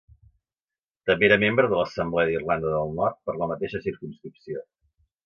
També era membre de l'Assemblea d'Irlanda del Nord per la mateixa circumscripció.